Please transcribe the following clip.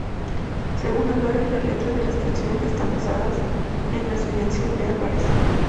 Según Álvarez las letras de las canciones están basadas en las vivencias de Álvarez.